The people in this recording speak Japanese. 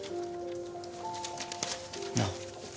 なあ。